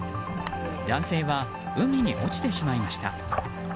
男性は海に落ちてしまいました。